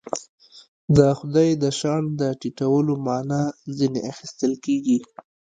د خدای د شأن د ټیټولو معنا ځنې اخیستل کېږي.